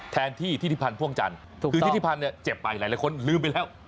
แทนที่ทิศิพันธ์พ่วงจันทร์คือทิศิพันธ์เนี่ยเจ็บไปหลายคนลืมไปแล้ว